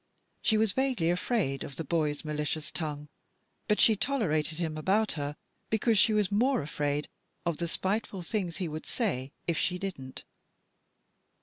She was vaguely afraid of the boy's malicious tongue, but she toler ated him about her because she was more afraid of the spiteful things he would say if she didn't.